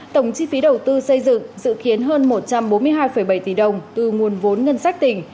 tổng chi phí đầu tư xây dựng dự kiến hơn một trăm bốn mươi hai bảy tỷ đồng từ nguồn vốn ngân sách tỉnh